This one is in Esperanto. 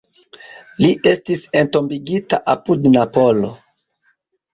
Li estis entombigita apud Napolo.